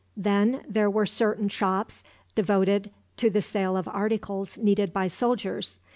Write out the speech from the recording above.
Then there were certain shops devoted to the sale of articles needed by soldiers.